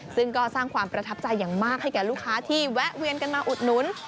ซึ่งก็สร้างความประทับใจอย่างมากให้แก่ลูกค้าที่แวะเวียนกันมาอุดหนุน